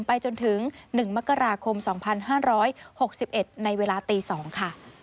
ไปจนถึง๑มกราคม๒๕๖๑ในเวลาตี๒ค่ะ